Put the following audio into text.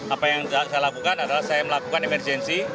apa yang saya lakukan adalah saya melakukan emergensi